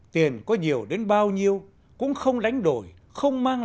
tiền có nhiều đến bao nhiêu cũng không đánh đổi không mang lại